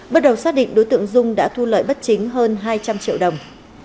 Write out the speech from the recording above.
bước đầu xác định đối tượng dung đã thu lợi bất chính hơn hai trăm linh triệu đồng